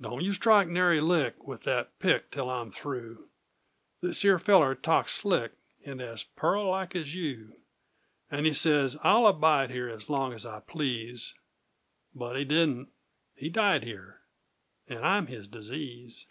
Don't you strike nary lick With that pick till I'm through; This here feller talked slick And as peart like as you! And he says: "I'll abide here As long as I please!" But he didn't.... He died here And I'm his disease!